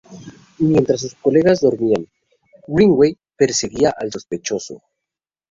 Mientras sus colegas dormían, Greenaway perseguía al sospechoso.